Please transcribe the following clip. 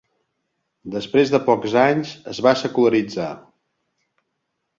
Després de pocs anys es va secularitzar.